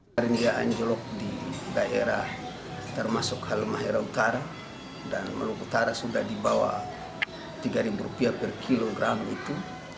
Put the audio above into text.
pemerintah anjlok di daerah termasuk halmahera utara dan maluka utara sudah di bawah tiga ribu rupiah per kilogram itu